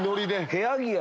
⁉部屋着や！